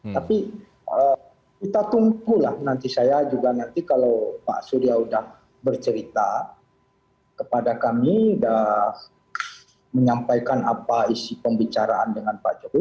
tapi kita tunggulah nanti saya juga nanti kalau pak surya sudah bercerita kepada kami sudah menyampaikan apa isi pembicaraan dengan pak jokowi